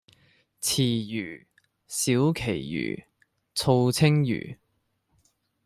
池魚，小鰭魚，醋鯖魚